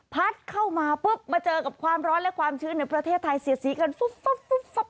พัดเข้ามาปุ๊บมาเจอกับความร้อนและความชื้นในประเทศไทยเสียสีกันปุ๊บ